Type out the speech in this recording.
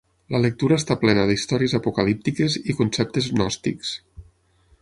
La lectura està plena d'històries apocalíptiques i conceptes gnòstics.